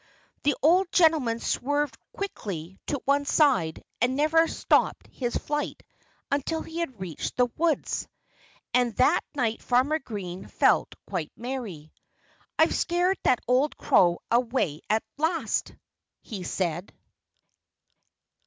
The old gentleman swerved quickly to one side and never stopped his flight until he had reached the woods. And that night Farmer Green felt quite merry. "I've scared that old crow away at last," he said.